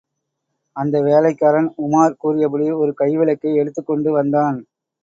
அந்த வேலைக்காரன், உமார் கூறியபடி ஒரு கைவிளக்கை எடுத்துக் கொண்டு வந்தான்.